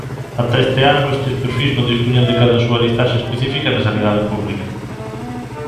Ata este ano, estes perfís non dispuñan de cadansúa listaxe específica na sanidade pública.